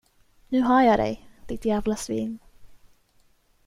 Nu har jag dig, ditt jävla svin.